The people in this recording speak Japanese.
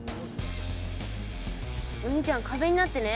お兄ちゃん壁になってね。